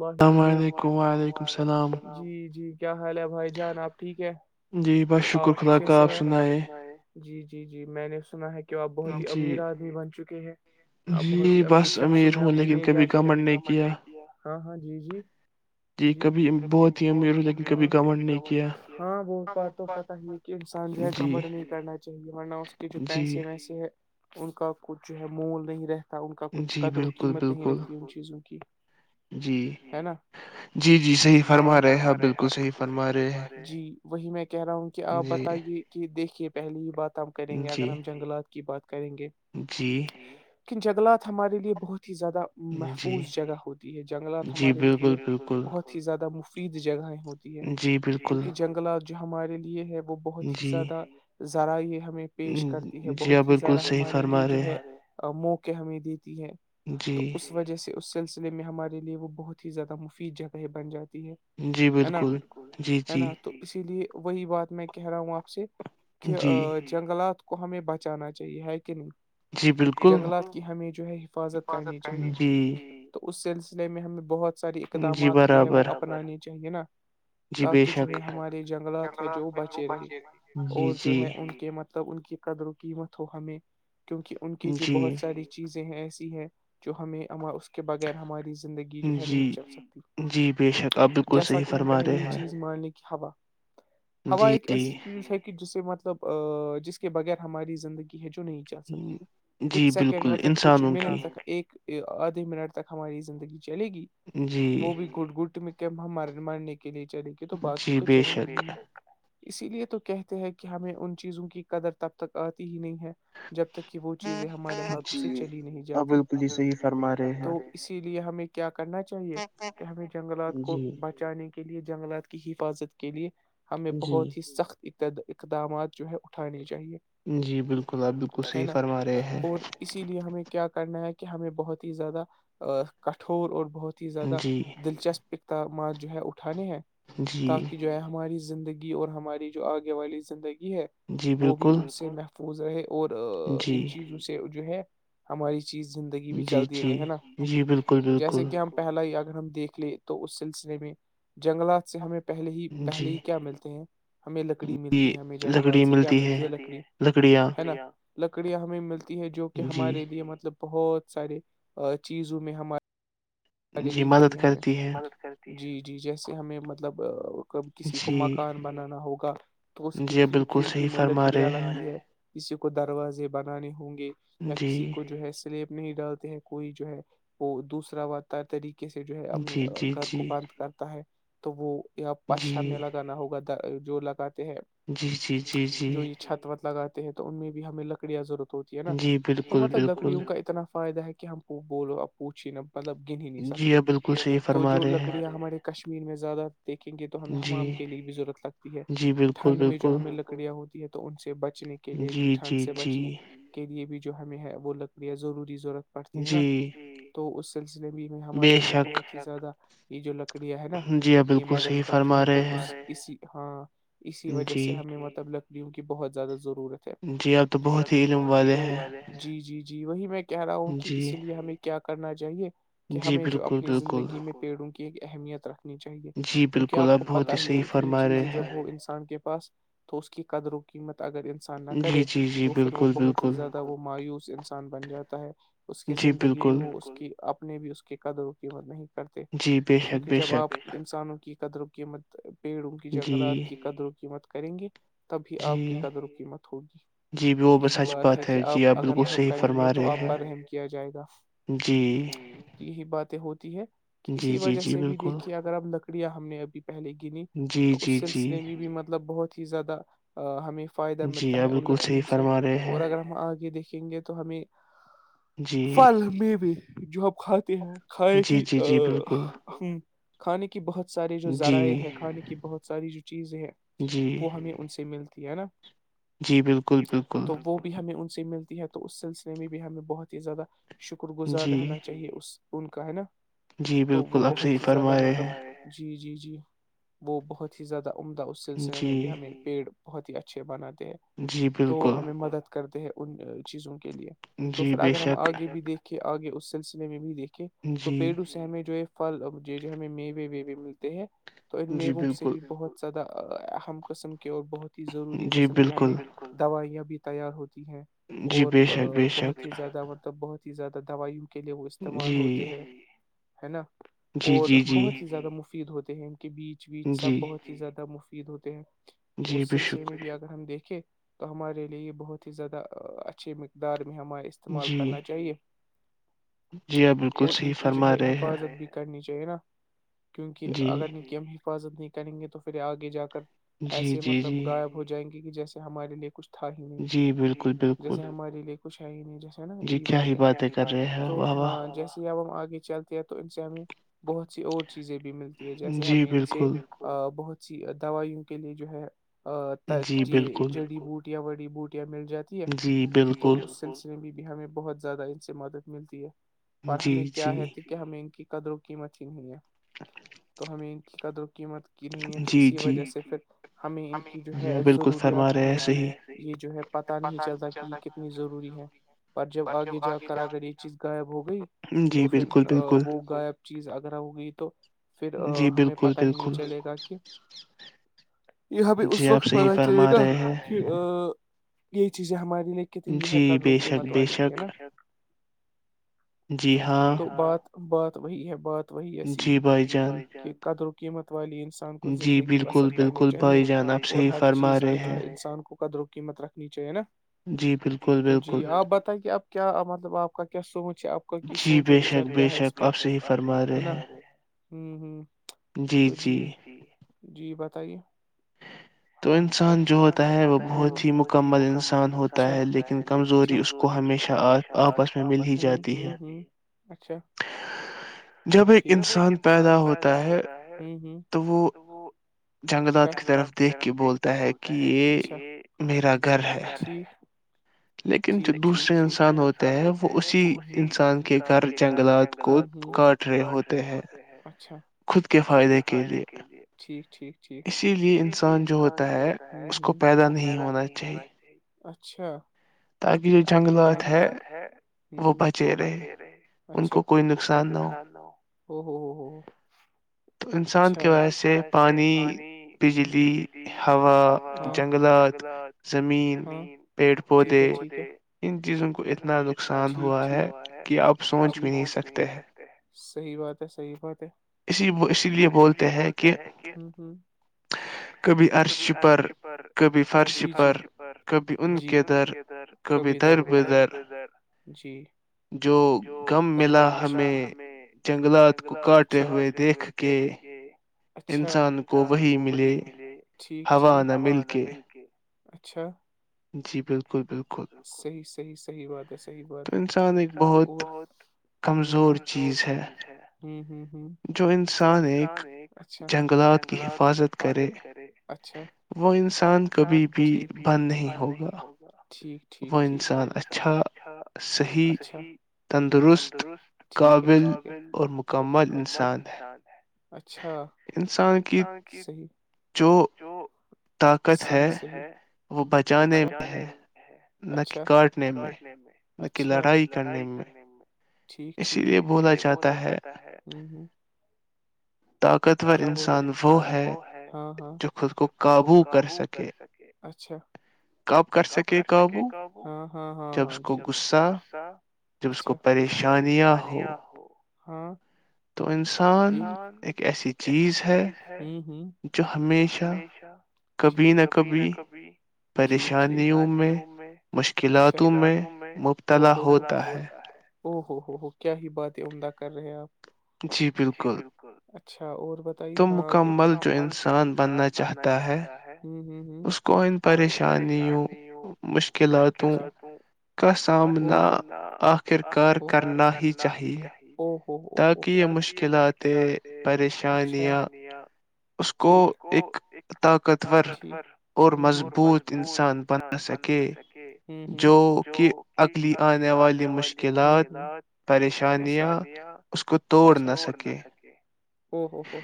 وعیکم السلام علیکم وعلیکم السلام جی جی کیا حال ہے بھائی جان آپ ٹھیک ہے جی بس آپ اچھے سے ہیں جی جی جی میں نے سنا ہے کہ آپ بہت ہی امیر آدمی بن چکے ہیں آپ بہت ہی امیر شخص میں آپ دنیا جاتے ہیں ہاں ہاں جی جی جی جی کبھی بہت ہی امی کبھی گ نہیں کی ہاں وہ تو پت ہی کہ انسان جو ہے گھبٹ نہیں کرنا چاہیے ورنہ اس کے جو پیسے ویسے ہے ان کا کچھ جو ہے مول نہیں رہتا ان کا کچھ قدر و قیمت نہیں رہتی ان چیزوں کی جی جی جی صحی فرما رہے ہ بالکل صحیح فرما رہے جی وہی میں کہہ رہا ہوں کہ آپ بتائیے کہ دیکھیے پہلے ہی بات ہم کریں گے اگر ہم جنگلات کی بات کریں گے جی ن جنگلات ہمارے لیے بہت ہی زیادہ محفوظ جگہ ہوتی ہے جنگلات ہمارے لی بہت ہی زیادہ مفید جگہیں ہوتی ہے کیونکہ جنگلات جو ہمارے لیے ہے وہ بہت ہی زیادہ ذرا یہ ہمیں پیش کرتی ہے بہت ہی زیادہ ہمارے لیے جو ہے موقع ہمیں دیتی ہے تو اس وجہ سے اس سسلے میں ہمارے لیے وہ بہت ہی زیادہ مفید جگہ ہے بن جاتی ہے ہے نا بالکل ہے نا تو اسی لیے وہی بات میں کہہ رہا ہوں آپ سے کہ جنگلات کو ہمیں بچانا چاہیے ہے کہ نہیں جنگلات کی ہمیں جو ہے حفاظت کرنی چاہیے تو اس سلسلے میں ہمیں بہت ساری اقدامات جو ہے وہ اپنانانی چاہیے نا تاکہ جو ہے ہمارے جنگلات ہے جو بچے رہے اور جو ہے ان کے مت مطلب ان کی قدر و قیمت ہو ہمیں کیونکہ ان کی جو بہت ساری چیزیں ہیں ایسی ہیں جو ہمیں اس کے بغیر ہماری زندگی جو ہے نہیں چل سکتی جیسا کہ ہم پہلی یہ چیز ماننے کی ہوا ہوا ایک ایسی چیز ہے کہ جسے مطلب جس کے بغیر ہماری زندگی ہے جو نہیں جا سکتی کچھ سیکنڈ مطلب کچھ منٹ تک ایک آدھے منٹ تک ہماری زندگی چلے گی جی گٹ گٹ میں کہ مار مارنے کے لیے چلے گئے تو باقی تو چلی گئی اسی لیے تو کہتے ہیں کہ ہمیں ان چیزوں کی قدر تب تک آتی ہی نہیں ہے جب تک کہ وہ چیزیں ہمارے ہاتھوں سے چلی نہیں جاتی بالل یہحیح اسی لیے ہمیں کیا کرنا چاہیے کہ ہمیں جنگلات کو بچانے کے لیے جنگلات کی حفاظت کے لیے ہمیں بہت ہی سخت اقدامات جو ہے اٹھانے چاہیے جی بالکل ہے نا اور اسی لیے ہمیں کیا کرنا ہے کہ ہمیں بہت ہی زیادہ کٹھور اور بہت زیادہ دلچسپ اقدامات جو ہے اٹھانے ہیں تاکہ جو ہے ہماری زندگی اور ہماری جو آگے والی زندگی ہے وہ بھی ان سے محفوظ رہے اور ان چیزوں سے جو ہے ہماری چیز زندگی بھی چلتی رہی ہے نا جیسے کہ ہم پہلا ہی اگر ہم دیکھ لے تو اس سلسلے میں جنگلات سے ہمیں پہلے ہی پہلے ہی کیا ملتے ہیں ہمیں لکڑی ملتی ہے ہمیں جنگلات سے کیا ملتی ہے لکڑی ہے نا لکڑیاں ہمیں ملتی ہیں جو کہ ہمارے لیے مطلب بہت سارے چیزوں میں ہمار لے کے ہمیں مد کرتی جی جی جیسے ہمیں مطلب کب کسی کو مکان بنانا ہوگا تو اس کی کھڑکیوں کی میں لکڑیاں لگتی ہے کسی کو دروازے بنانے ہوں گے یا کسی کو جو ہے سلیب نہیں ڈالتے ہیں کوئی جو ہے وہ دوسرا طریقے کیسے جو ہے اپنے گھر کو بند کرتا ہے تو وہ یہ پاایہ لگانا ہوگا جو لگاتے ہیں جو یہ چھت وت لگات تو ان میں بھی ہمیں لکڑیاں ضرورت ہوتی ہے نا تو مطلب لکڑیوں کا اتنا فائدہ ہے کہ ہم وہ بولو اپ پوچھ ہی نہا مطلب گن ہی نہیں سکتے بکل تو جو لکڑیاں ہمارے کشمیر میں زیادہ دیکھیں گے تو ہمیں حام کے لیے بھی ضرورت لگتی ہے ٹھنڈ میں جو ہمیں لگ لکڑیاں ہوتی ہے تو ان سے بچنے کے لیے بھی ٹھنڈ سے بچنے کے لیے بھی جو ہمیں ہے وہ لکڑیاں ضروری ضرورت پڑتی ہے نا تو اس سلسلے بھی ہمارے لیے بہت ہی زیادہ یہ جو لکڑیاں ہے نا یہ مدد کرتی ہے تو ب اسی ہاں اسی وجہ سے ہمیں مطلب لکڑیوں کی بہت زیادہ ضرورت جیپ بہت ہی جی جی جی وہی میں کہہ رہا ہوں کہ اس لیے ہمیں کیا کرنا چاہیے کہ ہمیں جو اپنی زندگی میں پیڑوں کی ایک اہمیت چاہیے کیونکہ آپ کو پت ہی ہے اتنی چیزیں جب وہ انسان کے پاس تو اس کی قدر قیمت اگر انسان نہ کرے تو پھر وہ بہت ہی زیادہ وہ مایوس انسان بن جاتا ہے اس کے زندگی میں وہ اس کی اپنے بھی اس کے قدر و قیمت نہیں کرتے کیونکہ جب آپ انسانوں کی قدر و قیمت پیڑوں کی جنگلات کی قدر و قیمت کریں گے تبھی آپ کی قدر و قیمت ہوگی یہی بات ہے کہ آپ اگر رحم کریں گے تو آپ پر رحم کیا جائے گا یہی باتیں ہوتی ہے کہ اسی وجہ سے بھی دیکھیے اگر اب لکڑیاں ہم نے ابھی پہلے گنی تو اس سلسلے میں بھی مطلب بہت ہی زیادہ ہمیں فائدہ ملتا ہے ان لکڑیوں سے اور اگر ہم آگے دیکھیں گے تو تو ہمیں فل میں بھی جو آپ کھاتے ہیں کھائے کی کھانے کی کہ بہت سارے جو ذرائع ہے کھانے کی بہت ساری جو چیزیں ہے وہ ہمیں ان سے ملتی ہے نا بالکل تو وہ بھی ہمیں ان سے ملتی ہے تو اس سلسلے میں بھی ہمیں بہت ہی زیادہ شکر گزار رہنا چاہیے اس اون کا ہے نا تو وہ بہت ہی زیادہ مطلب جی جی جی وہ بہت ہی زیادہ عمدہ اس سلسلے میں بھی ہمیں پیڑ بہت ہی اچھے بناتے ہیں تو ہمیں مدد کرتے ہیں ان چیزوں کے لیے تو پھر اگر ہم آگے بھی دیکھیں آگے اس سلسلے میں بھی دیکھیں تو پیڑو سے ہمیں جو ہے فل یہ جو ہمیں میوے ویوے ملتے ہیں تو ان میووں سے بھی بہت زیادہ اہم قسم کے اور بہت ہی ضروری قسم کے ہمیں دوائیاں بھی تیار ہوتی ہیں اور بہت ہی زیادہ مطلب بہت زیادہ دوائیوں کے لیے وہ استعمال ہوتے ہیں ہے نا اور بہت ہی زیادہ مفید ہوتے ہیں ان کے بیچ ویچ سب بہت زیادہ مفید ہوتے ہیں تو اس سلسلے میں بھی اگر ہم دیکھیں تو ہمارے لیے یہ بہت ہی زیادہ اچھی مقدار میں ہمار استعمال کرنا چاہیے اور ان کی جو ہے حفاظت بھی کرنی چاہیے نا کیونکہ اگر کی ہم حفاظت نہیں کریں گے تو پھر آگے جا کر ایسے مطلب غائب ہو جائیں گے کہ جیسے ہمارے لیے کچھ تھا ہی نہیں جی جیسے ہمارے لیے کچھ ہے ہی نہیں جیسے نا یہی بات ہے جیسے اب ہم آگے چلتے ہیں تو ان سے ہمیں بہت سی اور چیزیں بھی ملتی جیسے ہمیں ان سے بہت سی دوائیوں کے لیے جو ہے یہ جڑی بوٹ ں بڑی بوٹیاں مل جاتی ہے تو اس سے سل بھی ہمیں بہت زیادہ ان سے مدد ملتی ہے پر ہمیں کیا ہے کہ کہ ہمیں ان کی قدر و قیمت ہی نہیں ہے تو ہمیں ان کی قدر و قیمت کی نہیں ہے تو اسی وجہ سے پھر ہمیں ان کی جو ہے ضروریات ہمیں بھی یہ جو ہے پتا نہیں چلتا کہ یہ کتنی ضروری ہے پر جب آگے جا کراگر یہ چیز غائب ہو گئی تو پھر وہ غائب چیز اگر ہو گئی تو پھر ہمیں پتہ ہی نہیں چلے گا کہ یہبھی اس وقت پت چلے گا کہ یہ چیزیں ہمارے لیے کت ان ج جو قدرو قیمت والات یہ نا تو بات بات وہی ہے بات وہی ہے سیدھی کہ قدر قیمت والی انس انان کو زندگی بسر کرنی چاہیے اور ہر چیز کی جو ہے انسان کو قدر و قیمت رکھ نیچے ہے نا ج تو جی آپ بتائیں کہ آپ کیا مطلب آپ کا کیا سوچ ہے آپ کا کی سوچ اور وچار کیا ہے اس پرے ہوں ہ تو جی جی بتائیے تو انسان جو ہوتا ہے وہ بہت ہی مکمل انسان ہوتا ہے لیکن کمزوری اس کو ہمیشہ آپس میں آپس میں ممی اچھا جب ایک انسان پیدا ہوتا ہے تو وہ اچھا جنگداد کی طرف دیکھ کے بولتا ہے کہ یہ میرا گھر [inaudible] لیکن جو دوسرے انسانوں طب وہ اسی انسان کے گھر جنگلات کو کاٹ کاٹ رہے ہوتے ہیں اچا خود کے فائدے کے لیے ٹھیک ٹھیک ٹھیک اسی لیے انسان جو ہوتا ہے اس کو پیدا نہیں ہونا چاہیے اچھا تاکہ یہ جنگلات ہے ہ ہ وہ بچے رہے اچھا ان کو کوئی نقصان نہ ہو تو انسان کی وجہ سے پانی بجلی ہوا جنگلات زمین پیڑ پو ج بے ان چیزوں کو اتنا نقصان ہوا ہے کہ آپ سوچ بھی نہیں سکتے ہیں صحیح بات ہے صحیح بات ہے اسی وہ ج اسی لیے بولتے ہیں کہ کبھی عرش پر کبھی فرش پر کبھی ان ج کے در کبھی در ب جی جو گ ملا ہمیں جنگلات کاٹے ہوئے دیکھ کے اچھا انسان کو وہی ملے ٹھیکٹھیک ہوا نہ مل کے اچھا جی بالکلک صحیح صحیح صحیح بات ہے صحی بات ہے انسان بہت ہ کمزور چیز ہے ہ ہ ہ جو انسان ایک اچھا جنگلات کی حفاظت کرے اچھا وہ انسان کبھی بھی بند نہیں ہوگا ٹھیک ٹھیکھ وہ انسان اچھا اچ ہم تندرست ٹھیک قابل اور مکمل انسان اچھا انسان کی صی جو سنگت ہے وہ بچانے میں ہے اچھاکی کاٹنے میں اچھا کی لڑائی کرنے ٹھیک ٹھیک اسی لیے بولا جاتا ہے طاقتور انسان وہ ہے جو خود کو قابو کر سکے اچھا کب کر سکے کب ہاں ہاں کو غصہ اچھا کہ اس کو پریشانیاں ہاں تو انسان ایک ایسی چیز ہے جو ہمیشہ ٹھیک کبھی نہ کبھی ٹھیکریش ہوں میں مشکلاتوں میں بلا ہوتا ہے او ہو ہو ہو کیا ہی بات ہے عمدہ کر رہے آپ جی بالکل اچھا اور بتائیے ہاں مکمل جو انسان بننا چاہتا ہے ہوں ہوں کو ان پریشانیوں مشکلاتوں کا سامنا آخرکار کرنا ہی چاہیے تاکہ یہ مشکلاتیں پریشانیاں کو ایک طاقتورور اور مضبوط انسان بن سکتا جو کہ اگلی آنے والی مشکلات پریشانیاں اس کو توڑ نہ سکے ہو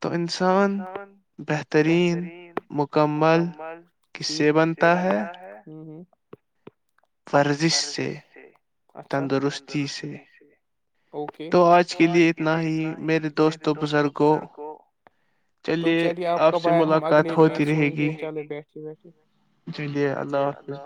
تو انسان بہترین مکمل قصے بنتا ہے ورزش سے تندرستی سے تو آج کے لیئے اتنا ہی میرے دوست و بزرگوں چلیے آپ سے ملاقات ہوتی رہے گی جلیے اللہ حافظ